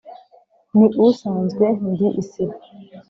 Ni usanzwe ndi isibo